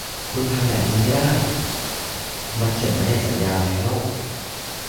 คุณทำแบบนี้ไม่ได้ มันเขียนไว้ในสัญญาแล้ว